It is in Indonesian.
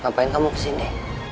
ngapain kamu kesini